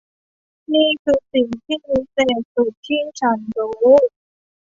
นี่คือสิ่งที่วิเศษสุดที่ฉันรู้